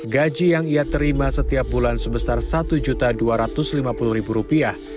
gaji yang ia terima setiap bulan sebesar satu juta dua rupiah